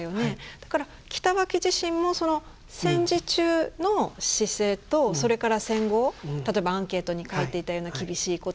だから北脇自身もその戦時中の姿勢とそれから戦後例えばアンケートに書いていたような厳しい言葉。